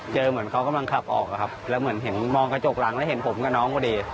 เหมือนเขากำลังขับออกอะครับแล้วเหมือนเห็นมองกระจกหลังแล้วเห็นผมกับน้องพอดี